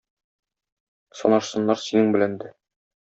Санашсыннар синең белән дә.